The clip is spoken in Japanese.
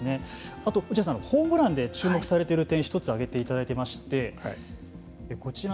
あと落合さんホームランで注目されている点１つ挙げていただいてましてこちらなんですけれども。